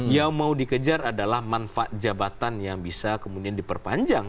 yang mau dikejar adalah manfaat jabatan yang bisa kemudian diperpanjang